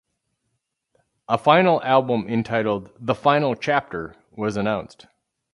A final album entitled "The Final Chapter" was announced.